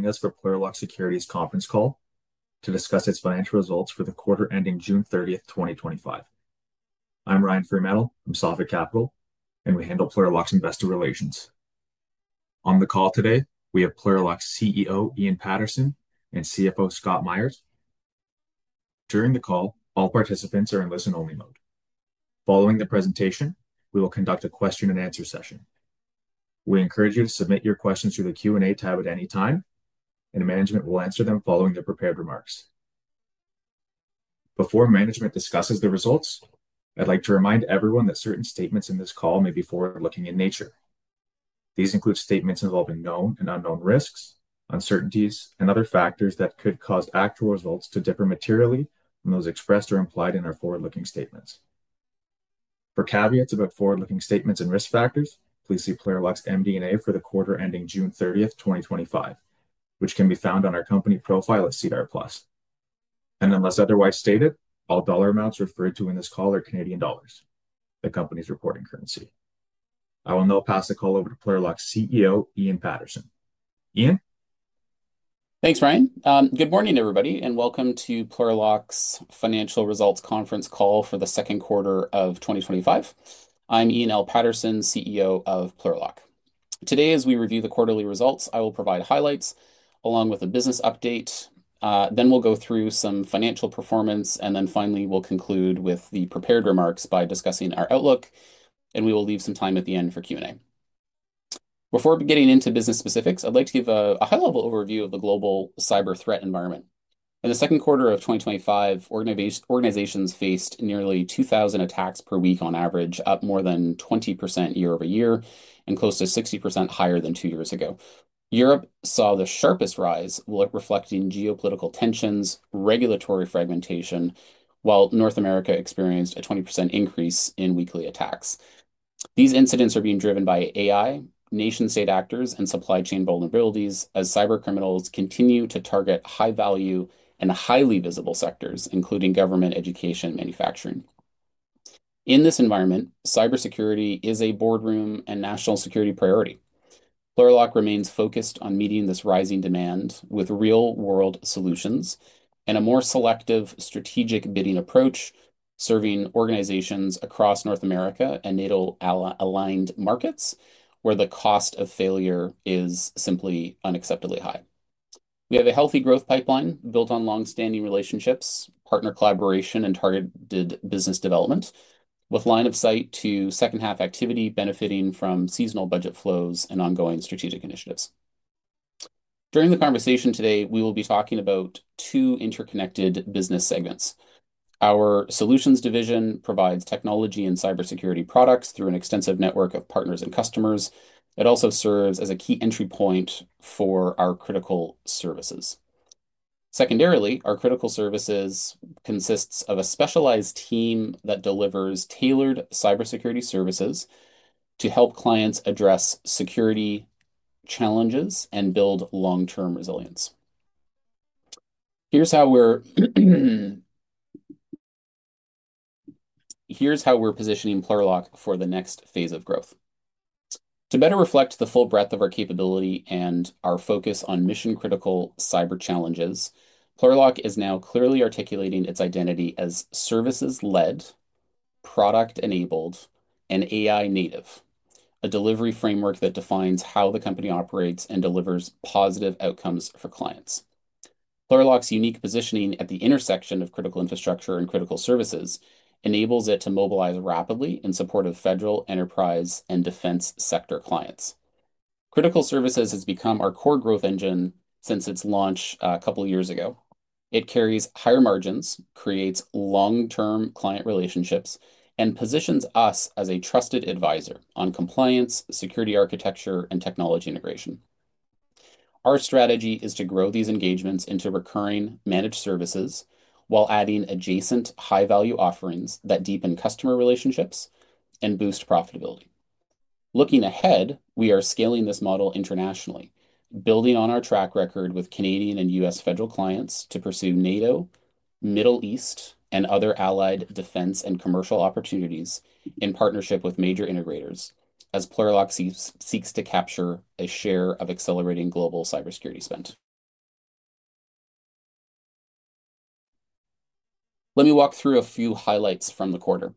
Joining us for Plurilock Security's conference call to discuss its financial results for the quarter ending June 30, 2025. I'm Ryan Freemantle from Safi Capital, and we handle Plurilock Security Inc.'s investor relations. On the call today, we have Plurilock Security's CEO, Ian Paterson, and CFO, Scott Meyers. During the call, all participants are in listen-only mode. Following the presentation, we will conduct a question-and-answer session. We encourage you to submit your questions through the Q&A tab at any time, and management will answer them following their prepared remarks. Before management discusses the results, I'd like to remind everyone that certain statements in this call may be forward-looking in nature. These include statements involving known and unknown risks, uncertainties, and other factors that could cause actual results to differ materially from those expressed or implied in our forward-looking statements. For caveats about forward-looking statements and risk factors, please see Plurilock Security's MD&A for the quarter ending June 30, 2025, which can be found on our company profile at CDER Plus. Unless otherwise stated, all dollar amounts referred to in this call are Canadian dollars, the company's reporting currency. I will now pass the call over to Plurilock Security's CEO, Ian Paterson. Ian? Thanks, Ryan. Good morning, everybody, and welcome to Plurilock's Financial Results Conference Call for the Second Quarter of 2025. I'm Ian L. Paterson, CEO of Plurilock. Today, as we review the quarterly results, I will provide highlights along with a business update. Then we'll go through some financial performance, and finally we'll conclude with the prepared remarks by discussing our outlook, and we will leave some time at the end for Q&A. Before getting into business specifics, I'd like to give a high-level overview of the global cyber threat environment. In the second quarter of 2025, organizations faced nearly 2,000 attacks per week on average, up more than 20% year-over-year, and close to 60% higher than two years ago. Europe saw the sharpest rise, reflecting geopolitical tensions and regulatory fragmentation, while North America experienced a 20% increase in weekly attacks. These incidents are being driven by AI, nation-state actors, and supply chain vulnerabilities as cyber criminals continue to target high-value and highly visible sectors, including government, education, and manufacturing. In this environment, cybersecurity is a boardroom and national security priority. Plurilock remains focused on meeting this rising demand with real-world solutions and a more selective strategic bidding approach, serving organizations across North America and NATO-aligned markets, where the cost of failure is simply unacceptably high. We have a healthy growth pipeline built on longstanding relationships, partner collaboration, and targeted business development, with line of sight to second-half activity benefiting from seasonal budget flows and ongoing strategic initiatives. During the conversation today, we will be talking about two interconnected business segments. Our Solutions Division provides technology and cybersecurity products through an extensive network of partners and customers. It also serves as a key entry point for our Critical Services. Secondarily, our Critical Services consists of a specialized team that delivers tailored cybersecurity services to help clients address security challenges and build long-term resilience. Here's how we're positioning Plurilock for the next phase of growth. To better reflect the full breadth of our capability and our focus on mission-critical cyber challenges, Plurilock is now clearly articulating its identity as services-led, product-enabled, and AI-native, a delivery framework that defines how the company operates and delivers positive outcomes for clients. Plurilock's unique positioning at the intersection of critical infrastructure and Critical Services enables it to mobilize rapidly in support of federal, enterprise, and defense sector clients. Critical Services has become our core growth engine since its launch a couple of years ago. It carries higher margins, creates long-term client relationships, and positions us as a trusted advisor on compliance, security architecture, and technology integration. Our strategy is to grow these engagements into recurring managed services while adding adjacent high-value offerings that deepen customer relationships and boost profitability. Looking ahead, we are scaling this model internationally, building on our track record with Canadian and U.S. federal clients to pursue NATO, Middle East, and other allied defense and commercial opportunities in partnership with major integrators as Plurilock seeks to capture a share of accelerating global cybersecurity spend. Let me walk through a few highlights from the quarter.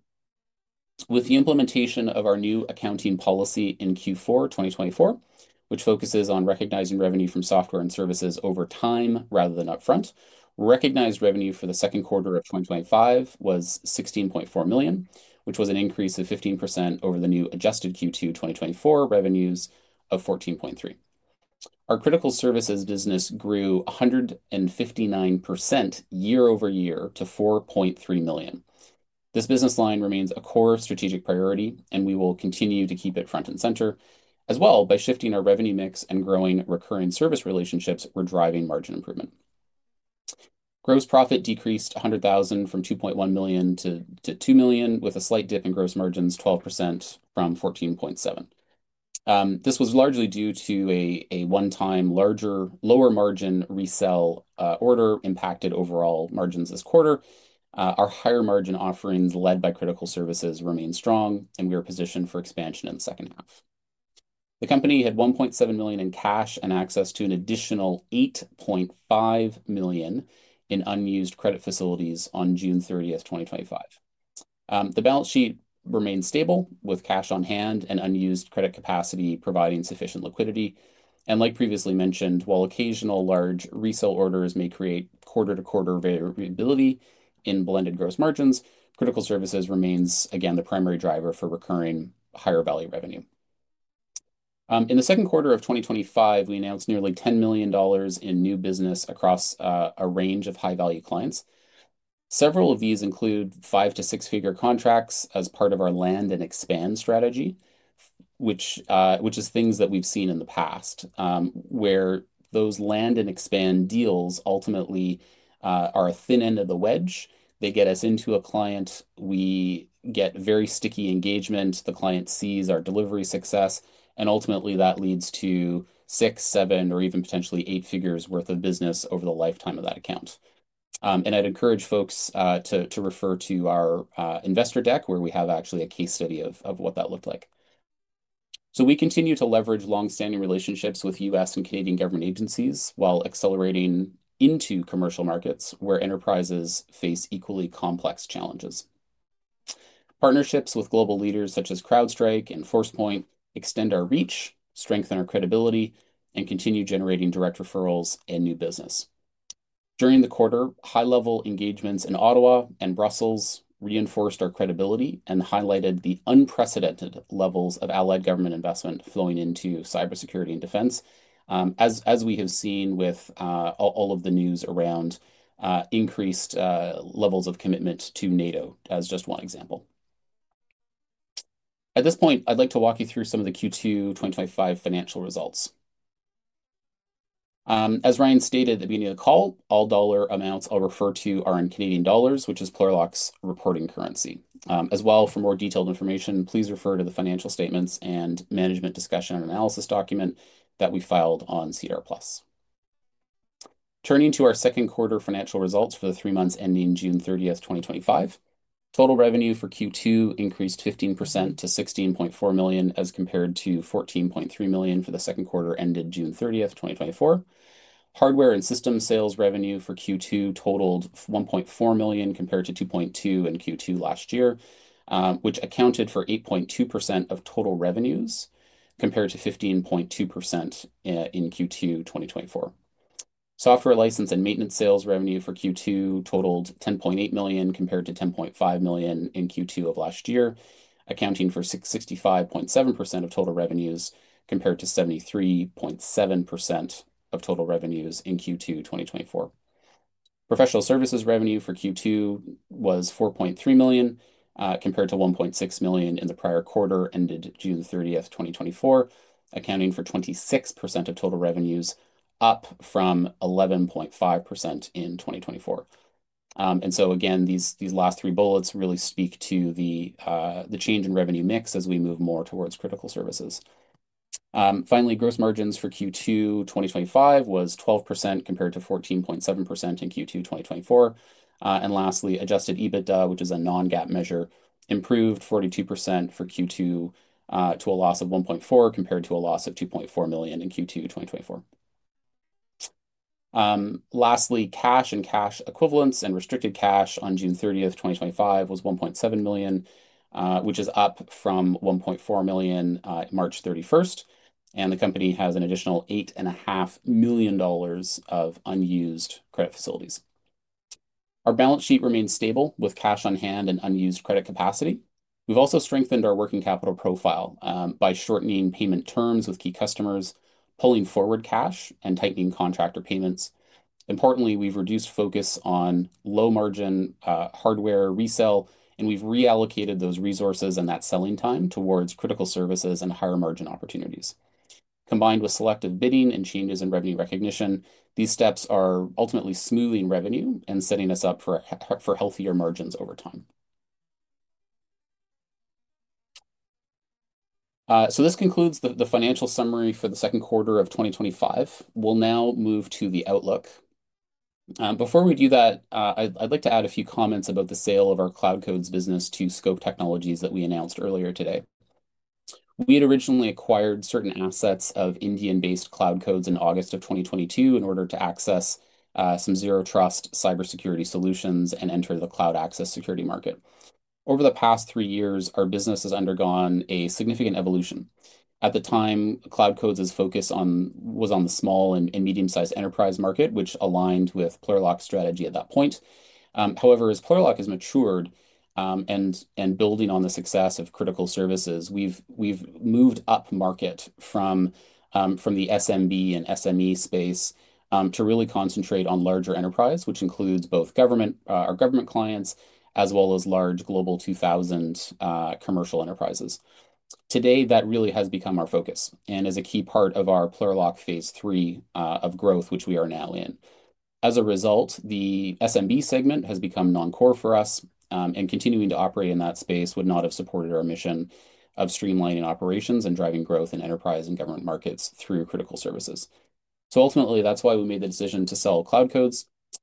With the implementation of our new accounting policy in Q4 2024, which focuses on recognizing revenue from software and services over time rather than upfront, recognized revenue for the second quarter of 2025 was 16.4 million, which was an increase of 15% over the new adjusted Q2 2024 revenues of 14.3 million. Our Critical Services business grew 159% year-over-year to 4.3 million. This business line remains a core strategic priority, and we will continue to keep it front and center as well by shifting our revenue mix and growing recurring service relationships for driving margin improvement. Gross profit decreased 100,000 from 2.1 million to 2 million, with a slight dip in gross margins to 12% from 14.7%. This was largely due to a one-time larger lower margin resale order that impacted overall margins this quarter. Our higher margin offerings led by Critical Services remain strong, and we are positioned for expansion in the second half. The company had 1.7 million in cash and access to an additional 8.5 million in unused credit facilities on June 30th, 2025. The balance sheet remains stable with cash on hand and unused credit capacity providing sufficient liquidity. Like previously mentioned, while occasional large resale orders may create quarter-to-quarter variability in blended gross margins, Critical Services remains again the primary driver for recurring higher-value revenue. In the second quarter of 2025, we announced nearly 10 million dollars in new business across a range of high-value clients. Several of these include five to six-figure contracts as part of our land and expand strategy, which is things that we've seen in the past, where those land and expand deals ultimately are a thin end of the wedge. They get us into a client, we get very sticky engagement, the client sees our delivery success, and ultimately that leads to six, seven, or even potentially eight figures' worth of business over the lifetime of that account. I'd encourage folks to refer to our investor deck where we have actually a case study of what that looked like. We continue to leverage longstanding relationships with U.S. and Canadian government agencies while accelerating into commercial markets where enterprises face equally complex challenges. Partnerships with global leaders such as CrowdStrike and Forcepoint extend our reach, strengthen our credibility, and continue generating direct referrals and new business. During the quarter, high-level engagements in Ottawa and Brussels reinforced our credibility and highlighted the unprecedented levels of allied government investment flowing into cybersecurity and defense, as we have seen with all of the news around increased levels of commitment to NATO, as just one example. At this point, I'd like to walk you through some of the Q2 2025 financial results. As Ryan stated at the beginning of the call, all dollar amounts I'll refer to are in Canadian dollars, which is Plurilock's reporting currency. For more detailed information, please refer to the financial statements and management discussion and analysis document that we filed on CDER Plus. Turning to our second quarter financial results for the three months ending June 30, 2025, total revenue for Q2 increased 15% to 16.4 million as compared to 14.3 million for the second quarter ended June 30, 2024. Hardware and systems sales revenue for Q2 totaled 1.4 million compared to 2.2 million in Q2 last year, which accounted for 8.2% of total revenues compared to 15.2% in Q2 2024. Software license and maintenance sales revenue for Q2 totaled 10.8 million compared to 10.5 million in Q2 of last year, accounting for 65.7% of total revenues compared to 73.7% of total revenues in Q2 2024. Professional services revenue for Q2 was 4.3 million compared to 1.6 million in the prior quarter ended June 30, 2024, accounting for 26% of total revenues, up from 11.5% in 2024. These last three bullets really speak to the change in revenue mix as we move more towards Critical Services. Finally, gross margins for Q2 2025 was 12% compared to 14.7% in Q2 2024. Lastly, adjusted EBITDA, which is a non-GAAP measure, improved 42% for Q2 to a loss of 1.4 million compared to a loss of 2.4 million in Q2 2024. Lastly, cash and cash equivalents and restricted cash on June 30th, 2025 was 1.7 million, which is up from 1.4 million March 31st. The company has an additional 8.5 million dollars of unused credit facilities. Our balance sheet remains stable with cash on hand and unused credit capacity. We've also strengthened our working capital profile by shortening payment terms with key customers, pulling forward cash, and tightening contractor payments. Importantly, we've reduced focus on low-margin hardware resale, and we've reallocated those resources and that selling time towards Critical Services and higher margin opportunities. Combined with selective bidding and changes in revenue recognition, these steps are ultimately smoothing revenue and setting us up for healthier margins over time. This concludes the financial summary for the second quarter of 2025. We'll now move to the outlook. Before we do that, I'd like to add a few comments about the sale of our CloudCodes business to Scope Technologies that we announced earlier today. We had originally acquired certain assets of Indian-based CloudCodes in August of 2022 in order to access some zero-trust cybersecurity solutions and enter the cloud access security market. Over the past three years, our business has undergone a significant evolution. At the time, CloudCodes' focus was on the small and medium-sized enterprise market, which aligned with Plurilock's strategy at that point. However, as Plurilock has matured and building on the success of Critical Services, we've moved up market from the SMB and SME space to really concentrate on larger enterprise, which includes both our government clients as well as large global 2,000 commercial enterprises. Today, that really has become our focus and is a key part of our Plurilock phase III of growth, which we are now in. As a result, the SMB segment has become non-core for us, and continuing to operate in that space would not have supported our mission of streamlining operations and driving growth in enterprise and government markets through Critical Services. Ultimately, that's why we made the decision to sell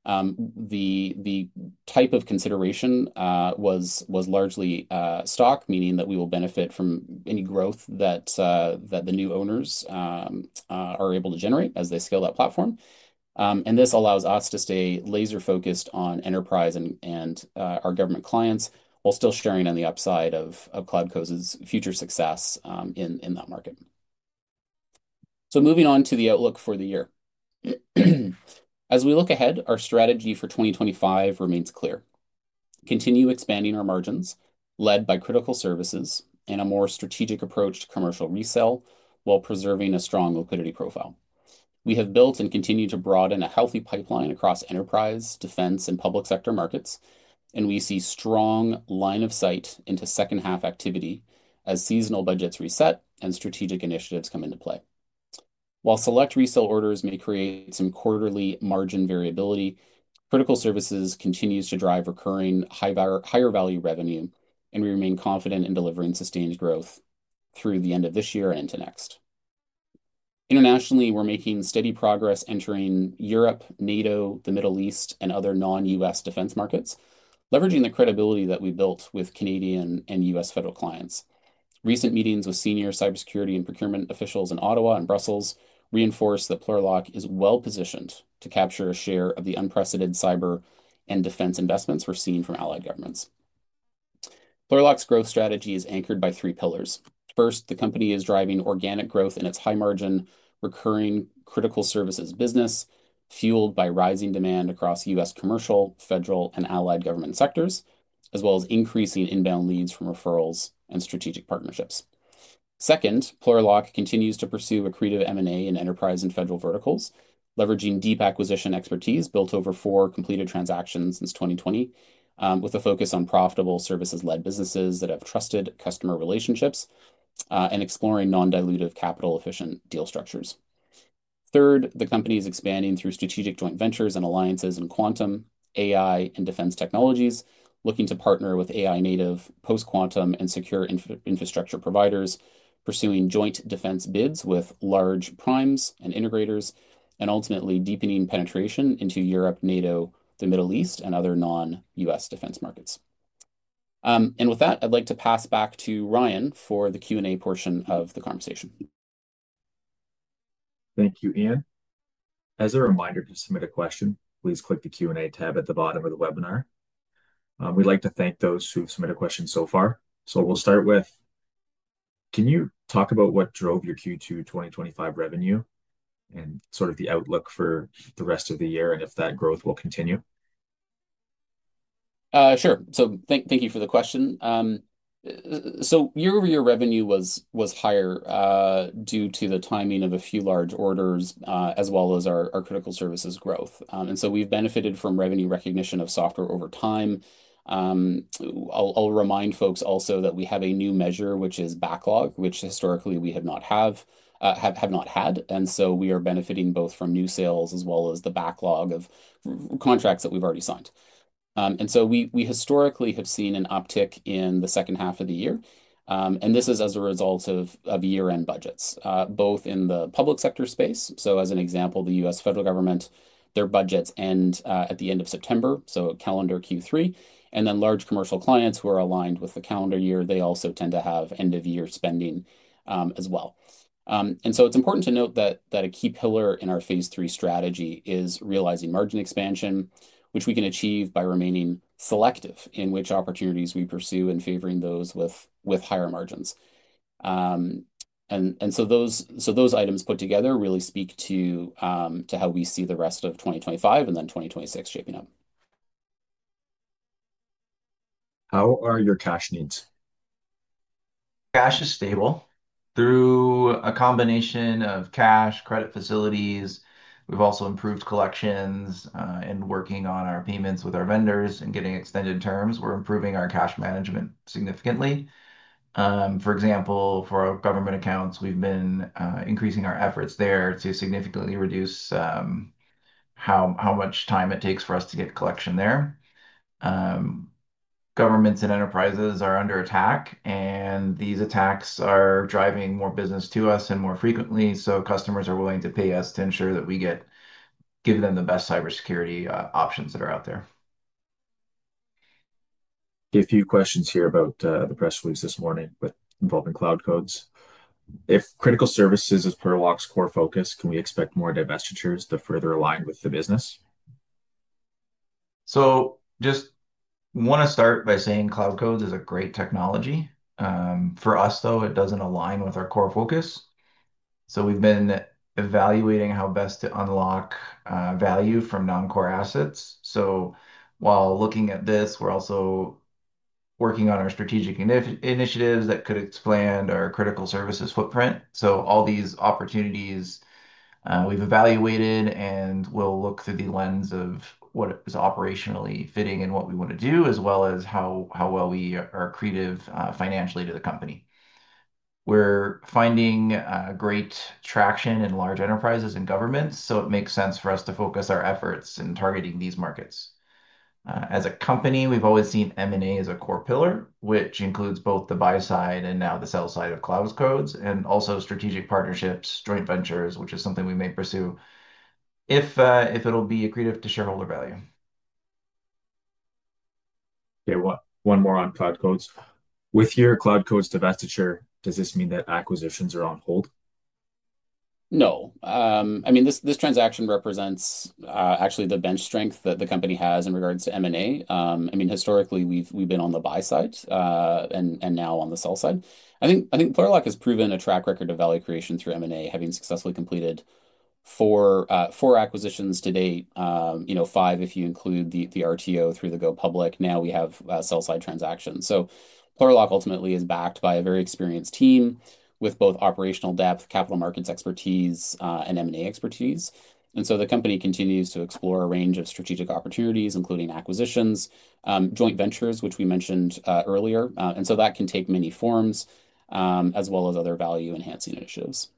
CloudCodes. The type of consideration was largely stock, meaning that we will benefit from any growth that the new owners are able to generate as they scale that platform. This allows us to stay laser-focused on enterprise and our government clients while still sharing on the upside of CloudCodes' future success in that market. Moving on to the outlook for the year, as we look ahead, our strategy for 2025 remains clear. Continue expanding our margins led by Critical Services and a more strategic approach to commercial resale while preserving a strong liquidity profile. We have built and continue to broaden a healthy pipeline across enterprise, defense, and public sector markets, and we see a strong line of sight into second-half activity as seasonal budgets reset and strategic initiatives come into play. While select resale orders may create some quarterly margin variability, Critical Services continues to drive recurring higher-value revenue, and we remain confident in delivering sustained growth through the end of this year and to next. Internationally, we're making steady progress entering Europe, NATO, the Middle East, and other non-U.S. defense markets, leveraging the credibility that we built with Canadian and U.S. federal clients. Recent meetings with senior cybersecurity and procurement officials in Ottawa and Brussels reinforce that Plurilock is well-positioned to capture a share of the unprecedented cyber and defense investments we're seeing from allied governments. Plurilock's growth strategy is anchored by three pillars. First, the company is driving organic growth in its high-margin recurring Critical Services business, fueled by rising demand across U.S. commercial, federal, and allied government sectors, as well as increasing inbound leads from referrals and strategic partnerships. Second, Plurilock continues to pursue accretive M&A in enterprise and federal verticals, leveraging deep acquisition expertise built over four completed transactions since 2020, with a focus on profitable services-led businesses that have trusted customer relationships and exploring non-dilutive capital-efficient deal structures. Third, the company is expanding through strategic joint ventures and alliances in quantum, AI, and defense technologies, looking to partner with AI-native, post-quantum, and secure infrastructure providers, pursuing joint defense bids with large primes and integrators, and ultimately deepening penetration into Europe, NATO, the Middle East, and other non-U.S. defense markets. With that, I'd like to pass back to Ryan for the Q&A portion of the conversation. Thank you, Ian. As a reminder to submit a question, please click the Q&A tab at the bottom of the webinar. We'd like to thank those who've submitted questions so far. Can you talk about what drove your Q2 2025 revenue and sort of the outlook for the rest of the year and if that growth will continue? Sure. Thank you for the question. Year-over-year revenue was higher due to the timing of a few large orders as well as our Critical Services growth. We've benefited from revenue recognition of software over time. I'll remind folks also that we have a new measure, which is backlog, which historically we have not had. We are benefiting both from new sales as well as the backlog of contracts that we've already signed. We historically have seen an uptick in the second half of the year. This is as a result of year-end budgets, both in the public sector space. As an example, the U.S. federal government, their budgets end at the end of September, so calendar Q3, and then large commercial clients who are aligned with the calendar year also tend to have end-of-year spending as well. It's important to note that a key pillar in our phase III strategy is realizing margin expansion, which we can achieve by remaining selective in which opportunities we pursue and favoring those with higher margins. Those items put together really speak to how we see the rest of 2025 and then 2026 shaping up. How are your cash needs? Cash is stable. Through a combination of cash and credit facilities, we've also improved collections and are working on our payments with our vendors and getting extended terms. We're improving our cash management significantly. For example, for our government accounts, we've been increasing our efforts there to significantly reduce how much time it takes for us to get collection there. Governments and enterprises are under attack, and these attacks are driving more business to us more frequently. Customers are willing to pay us to ensure that we give them the best cybersecurity options that are out there. A few questions here about the press release this morning involving CloudCodes. If Critical Services is Plurilock's core focus, can we expect more divestitures to further align with the business? I just want to start by saying CloudCodes is a great technology. For us, though, it doesn't align with our core focus. We've been evaluating how best to unlock value from non-core assets. While looking at this, we're also working on our strategic initiatives that could expand our Critical Services footprint. All these opportunities we've evaluated, and we'll look through the lens of what is operationally fitting and what we want to do, as well as how well we are accretive financially to the company. We're finding great traction in large enterprises and governments, so it makes sense for us to focus our efforts in targeting these markets. As a company, we've always seen M&A as a core pillar, which includes both the buy side and now the sell side of CloudCodes, and also strategic partnerships, joint ventures, which is something we may pursue if it'll be accretive to shareholder value. Okay, one more on CloudCodes. With your CloudCodes divestiture, does this mean that acquisitions are on hold? No. I mean, this transaction represents actually the bench strength that the company has in regards to M&A. Historically, we've been on the buy side and now on the sell side. I think Plurilock has proven a track record of value creation through M&A, having successfully completed four acquisitions to date, five if you include the RTO through the GoPublic. Now we have sell-side transactions. Plurilock ultimately is backed by a very experienced team with both operational depth, capital markets expertise, and M&A expertise. The company continues to explore a range of strategic opportunities, including acquisitions, joint ventures, which we mentioned earlier. That can take many forms, as well as other value-enhancing initiatives.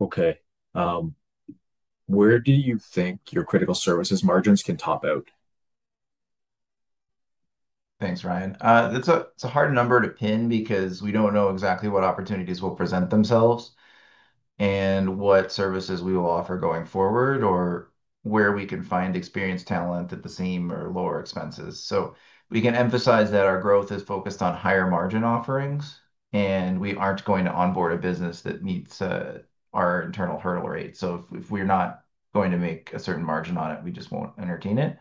Okay, where do you think your Critical Services margins can top out? Thanks, Ryan. It's a hard number to pin because we don't know exactly what opportunities will present themselves and what services we will offer going forward or where we can find experienced talent at the same or lower expenses. We can emphasize that our growth is focused on higher margin offerings, and we aren't going to onboard a business that meets our internal hurdle rate. If we're not going to make a certain margin on it, we just won't entertain it.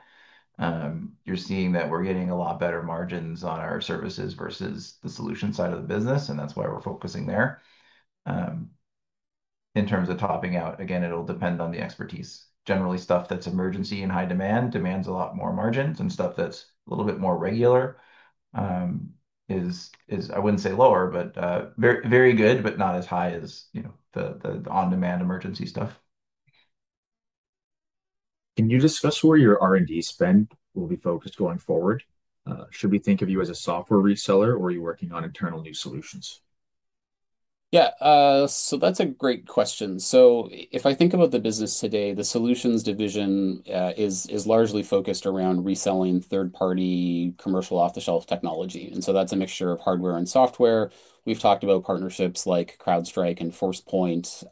You're seeing that we're getting a lot better margins on our services versus the solution side of the business, and that's why we're focusing there. In terms of topping out, again, it'll depend on the expertise. Generally, stuff that's emergency and high demand demands a lot more margins, and stuff that's a little bit more regular is, I wouldn't say lower, but very good, but not as high as the on-demand emergency stuff. Can you discuss where your R&D spend will be focused going forward? Should we think of you as a software reseller, or are you working on internal new solutions? Yeah, that's a great question. If I think about the business today, the Solutions Division is largely focused around reselling third-party commercial off-the-shelf technology, and that's a mixture of hardware and software. We've talked about partnerships like CrowdStrike and Forcepoint,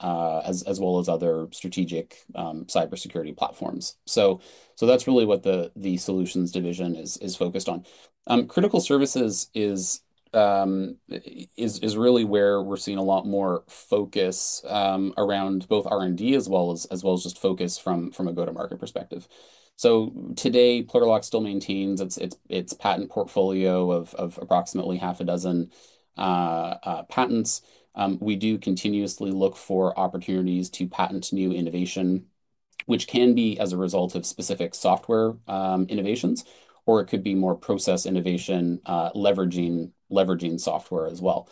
as well as other strategic cybersecurity platforms. That's really what the Solutions Division is focused on. Critical Services is really where we're seeing a lot more focus around both R&D as well as just focus from a go-to-market perspective. Today, Plurilock still maintains its patent portfolio of approximately half a dozen patents. We do continuously look for opportunities to patent new innovation, which can be as a result of specific software innovations, or it could be more process innovation leveraging software as well.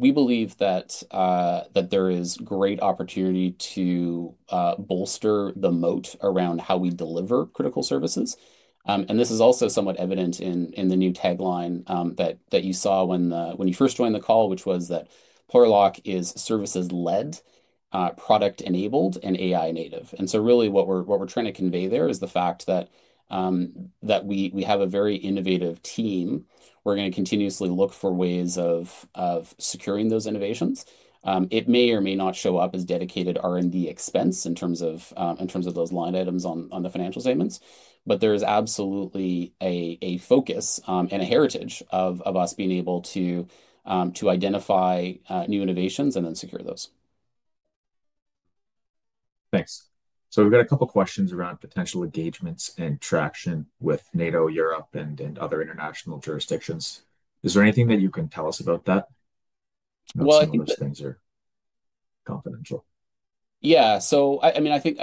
We believe that there is great opportunity to bolster the moat around how we deliver Critical Services. This is also somewhat evident in the new tagline that you saw when you first joined the call, which was that Plurilock is services-led, product-enabled, and AI-native. What we're trying to convey there is the fact that we have a very innovative team. We're going to continuously look for ways of securing those innovations. It may or may not show up as dedicated R&D expense in terms of those line items on the financial statements, but there is absolutely a focus and a heritage of us being able to identify new innovations and then secure those. Thanks. We've got a couple of questions around potential engagements and traction with NATO, Europe, and other international jurisdictions. Is there anything that you can tell us about that? I think. Most of those things are confidential. Yeah, so I mean, I think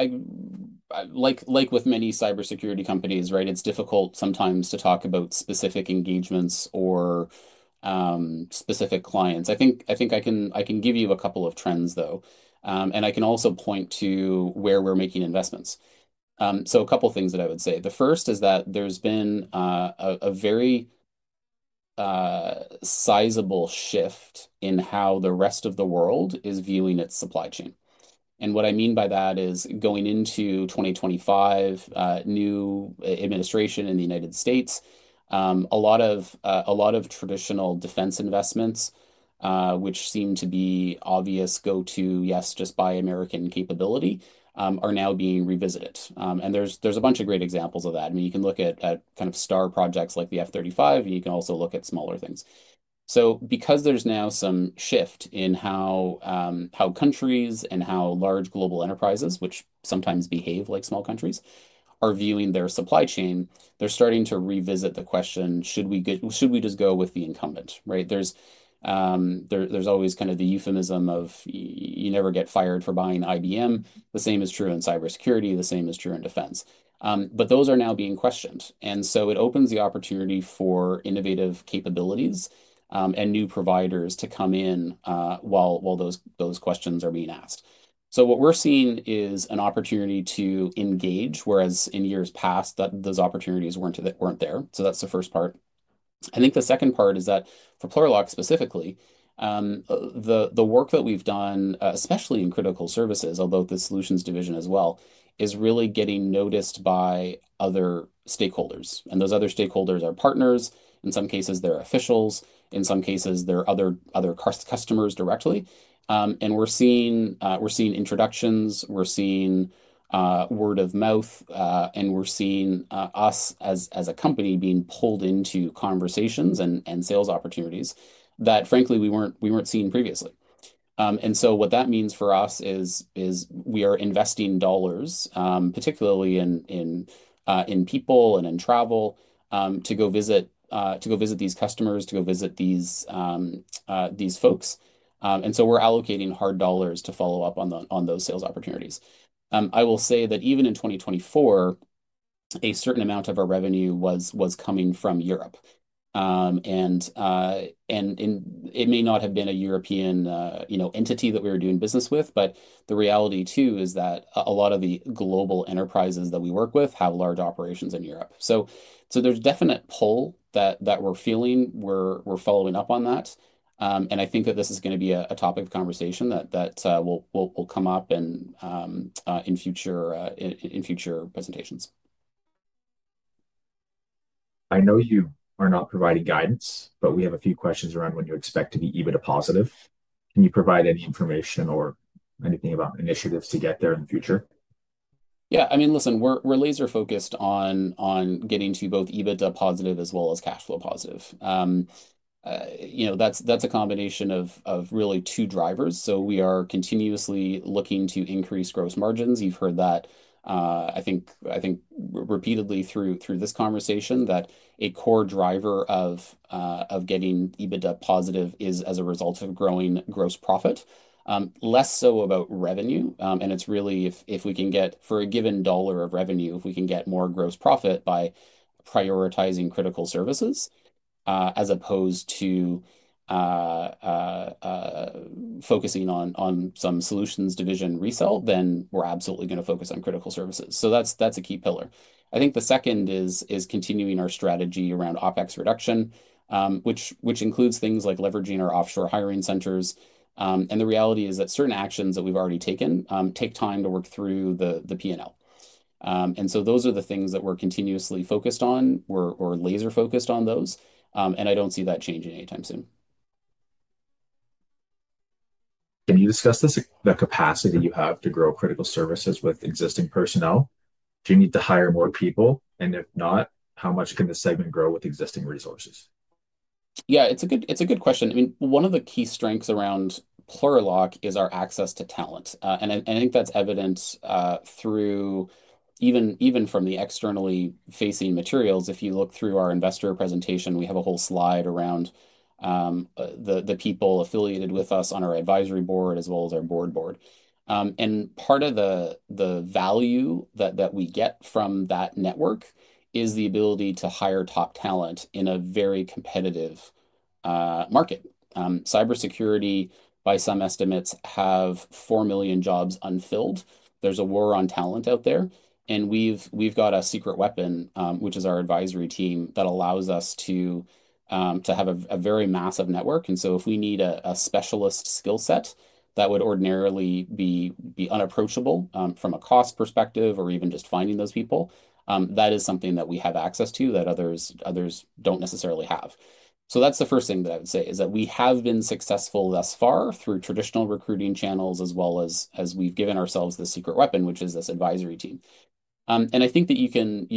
like with many cybersecurity companies, it's difficult sometimes to talk about specific engagements or specific clients. I think I can give you a couple of trends, though, and I can also point to where we're making investments. A couple of things that I would say. The first is that there's been a very sizable shift in how the rest of the world is viewing its supply chain. What I mean by that is going into 2025, new administration in the United States, a lot of traditional defense investments, which seem to be obvious go-to yes, just buy American capability, are now being revisited. There's a bunch of great examples of that. I mean, you can look at kind of star projects like the F-35, and you can also look at smaller things. Because there's now some shift in how countries and how large global enterprises, which sometimes behave like small countries, are viewing their supply chain, they're starting to revisit the question, should we just go with the incumbent, right? There's always kind of the euphemism of you never get fired for buying IBM. The same is true in cybersecurity, the same is true in defense. Those are now being questioned. It opens the opportunity for innovative capabilities and new providers to come in while those questions are being asked. What we're seeing is an opportunity to engage, whereas in years past, those opportunities weren't there. That's the first part. I think the second part is that for Plurilock specifically, the work that we've done, especially in Critical Services, although the Solutions Division as well, is really getting noticed by other stakeholders. Those other stakeholders are partners. In some cases, they're officials. In some cases, they're other customers directly. We're seeing introductions, we're seeing word of mouth, and we're seeing us as a company being pulled into conversations and sales opportunities that, frankly, we weren't seeing previously. What that means for us is we are investing dollars, particularly in people and in travel, to go visit these customers, to go visit these folks. We're allocating hard dollars to follow up on those sales opportunities. I will say that even in 2024, a certain amount of our revenue was coming from Europe. It may not have been a European entity that we were doing business with, but the reality too is that a lot of the global enterprises that we work with have large operations in Europe. There's a definite pull that we're feeling. We're following up on that. I think that this is going to be a topic of conversation that will come up in future presentations. I know you are not providing guidance, but we have a few questions around when you expect to be EBITDA positive. Can you provide any information or anything about initiatives to get there in the future? Yeah, I mean, listen, we're laser-focused on getting to both EBITDA positive as well as cash flow positive. That's a combination of really two drivers. We are continuously looking to increase gross margins. You've heard that, I think, repeatedly through this conversation that a core driver of getting EBITDA positive is as a result of growing gross profit, less so about revenue. It's really if we can get, for a given dollar of revenue, more gross profit by prioritizing Critical Services as opposed to focusing on some Solutions Division resell, then we're absolutely going to focus on Critical Services. That's a key pillar. I think the second is continuing our strategy around OpEx reduction, which includes things like leveraging our offshore hiring centers. The reality is that certain actions that we've already taken take time to work through the P&L. Those are the things that we're continuously focused on. We're laser-focused on those. I don't see that changing anytime soon. Can you discuss the capacity that you have to grow Critical Services with existing personnel? Do you need to hire more people? If not, how much can the segment grow with existing resources? Yeah, it's a good question. I mean, one of the key strengths around Plurilock is our access to talent. I think that's evident even from the externally facing materials. If you look through our investor presentation, we have a whole slide around the people affiliated with us on our advisory board as well as our board. Part of the value that we get from that network is the ability to hire top talent in a very competitive market. Cybersecurity, by some estimates, has 4 million jobs unfilled. There's a war on talent out there. We've got a secret weapon, which is our advisory team, that allows us to have a very massive network. If we need a specialist skill set that would ordinarily be unapproachable from a cost perspective or even just finding those people, that is something that we have access to that others don't necessarily have. The first thing that I would say is that we have been successful thus far through traditional recruiting channels as well as we've given ourselves the secret weapon, which is this advisory team. I think that you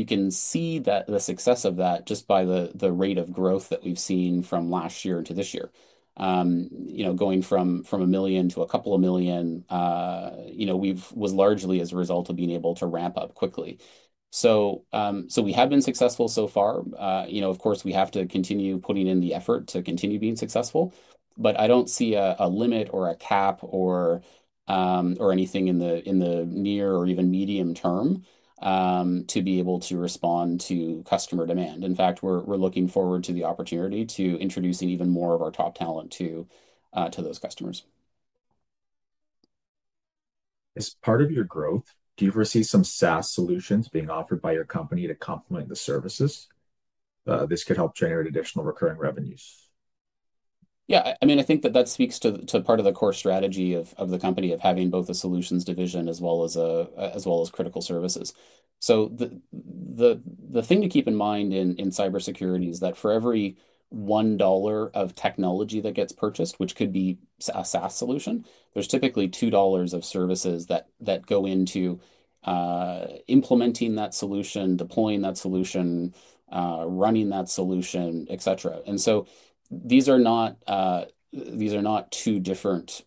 can see the success of that just by the rate of growth that we've seen from last year to this year. You know, going from 1 million to a couple of million was largely as a result of being able to ramp up quickly. We have been successful so far. Of course, we have to continue putting in the effort to continue being successful. I don't see a limit or a cap or anything in the near or even medium term to be able to respond to customer demand. In fact, we're looking forward to the opportunity to introduce even more of our top talent to those customers. As part of your growth, do you ever see some SaaS solutions being offered by your company to complement the services? This could help generate additional recurring revenues. Yeah, I mean, I think that speaks to part of the core strategy of the company of having both the Solutions Division as well as Critical Services. The thing to keep in mind in cybersecurity is that for every 1 dollar of technology that gets purchased, which could be a SaaS solution, there's typically 2 dollars of services that go into implementing that solution, deploying that solution, running that solution, et cetera. These are not two different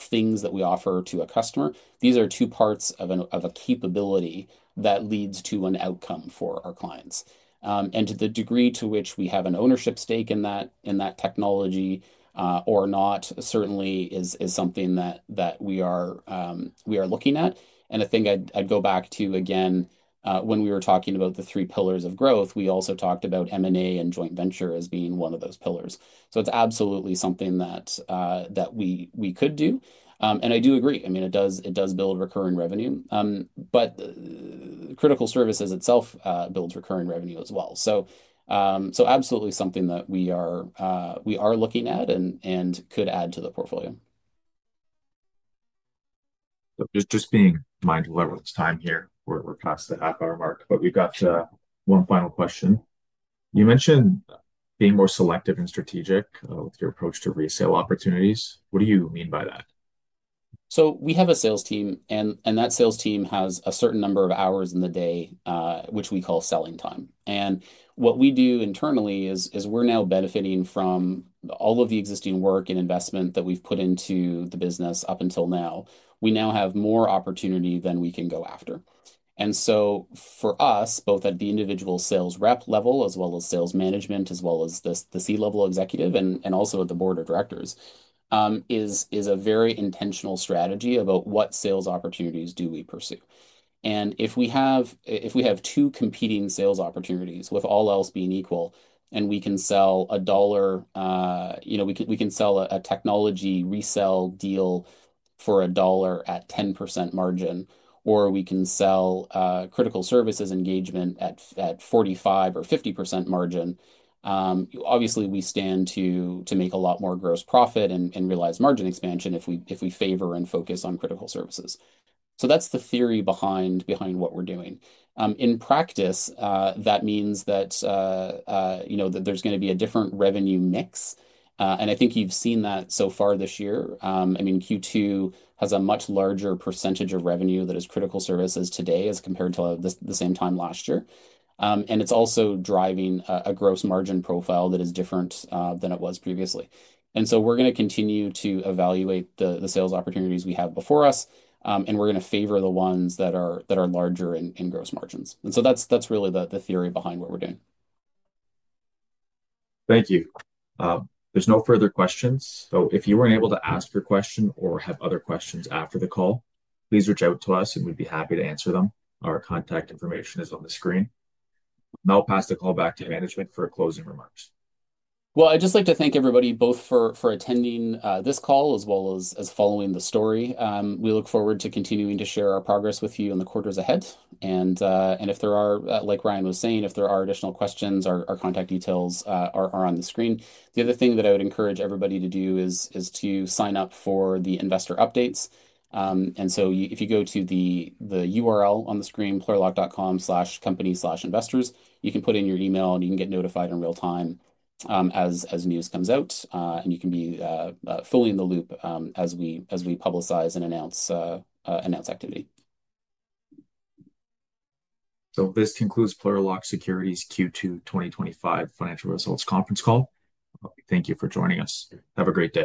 things that we offer to a customer. These are two parts of a capability that leads to an outcome for our clients. To the degree to which we have an ownership stake in that technology or not certainly is something that we are looking at. I think I'd go back to, again, when we were talking about the three pillars of growth, we also talked about M&A and joint venture as being one of those pillars. It's absolutely something that we could do. I do agree, it does build recurring revenue. Critical Services itself builds recurring revenue as well. Absolutely something that we are looking at and could add to the portfolio. Just being mindful of everyone's time here, we're past the half-hour mark, but we've got one final question. You mentioned being more selective and strategic with your approach to resale opportunities. What do you mean by that? We have a sales team, and that sales team has a certain number of hours in the day, which we call selling time. What we do internally is we're now benefiting from all of the existing work and investment that we've put into the business up until now. We now have more opportunity than we can go after. For us, both at the individual sales rep level as well as sales management, as well as the C-level executive and also at the Board of Directors, it is a very intentional strategy about what sales opportunities we pursue. If we have two competing sales opportunities, with all else being equal, and we can sell a technology resale deal for CAD 1 at 10% margin, or we can sell a Critical Services engagement at 45% or 50% margin, obviously, we stand to make a lot more gross profit and realize margin expansion if we favor and focus on Critical Services. That's the theory behind what we're doing. In practice, that means that there's going to be a different revenue mix. I think you've seen that so far this year. Q2 has a much larger percentage of revenue that is Critical Services today as compared to the same time last year. It's also driving a gross margin profile that is different than it was previously. We're going to continue to evaluate the sales opportunities we have before us, and we're going to favor the ones that are larger in gross margins. That's really the theory behind what we're doing. Thank you. There's no further questions. If you weren't able to ask your question or have other questions after the call, please reach out to us and we'd be happy to answer them. Our contact information is on the screen. I'll pass the call back to management for closing remarks. I would just like to thank everybody both for attending this call as well as following the story. We look forward to continuing to share our progress with you in the quarters ahead. If there are, like Ryan was saying, if there are additional questions, our contact details are on the screen. The other thing that I would encourage everybody to do is to sign up for the investor updates. If you go to the URL on the screen, plurilock.com/company/investors, you can put in your email and you can get notified in real time as news comes out. You can be fully in the loop as we publicize and announce activity. This concludes Plurilock Security's Q2 2025 financial results conference call. Thank you for joining us. Have a great day.